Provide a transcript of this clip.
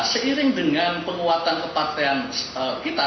seiring dengan penguatan kepartean kita